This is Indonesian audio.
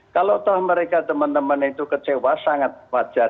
kalau toh mereka teman teman itu kecewa sangat wajar